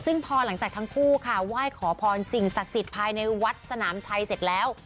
ซึ่งพอหลังจากทั้งคู่ค่ะไหว้ขอพรสิ่งศักดิ์สิทธิ์ภายในวัดสนามชัยเสร็จแล้ว